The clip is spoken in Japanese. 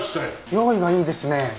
用意がいいですね。